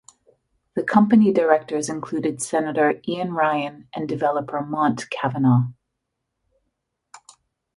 The company directors included Senator Eoin Ryan and developer Mont Kavanagh.